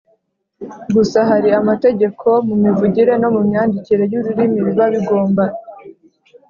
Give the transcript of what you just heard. gusa hari amategeko mu mivugire no myandikire y’ururimi biba bigomba